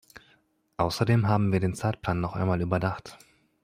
Außerdem haben wir den Zeitplan noch einmal überdacht.